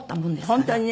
本当にね。